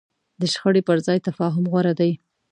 د شخړې پر ځای تفاهم غوره دی.